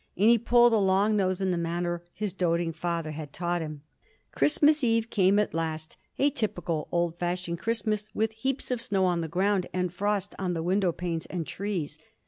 and he pulled a long nose in the manner his doting father had taught him. Christmas Eve came at last a typical old fashioned Christmas with heaps of snow on the ground and frost on the window panes and trees.